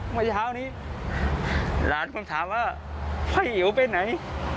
วันเช้านี้หลานคุณถามว่าไหวอิ๋วไปไหน